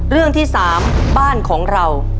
เรื่องที่๓บ้านของเรา